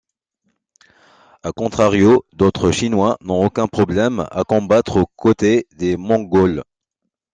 A contrario, d'autres Chinois n'ont aucun problème à combattre aux côtés des Mongols.